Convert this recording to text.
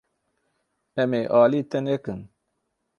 Em ê alî te nekin.